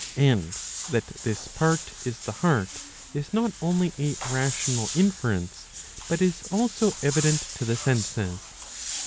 '* And that this part is the heart is not only a rational inference, but is also evident to the senses.